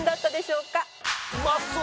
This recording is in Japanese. うまそう！